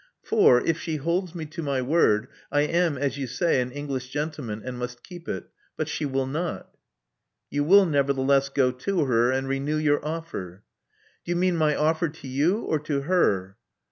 For, if she holds me to my word, I am, as you say, an English gentleman, and must keep it. But she will not'* You will nevertheless go to her, and renew your offer." Do you mean my offer to you — or to her?"